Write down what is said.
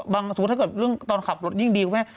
บางสมมติถ้าเกิดตอนขับรถยิ่งดีคุณแม่